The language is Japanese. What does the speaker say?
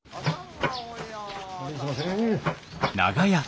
はいすいません。